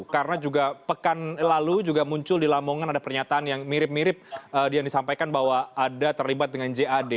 karena juga pekan lalu muncul di lamongan ada pernyataan yang mirip mirip yang disampaikan bahwa ada terlibat dengan jad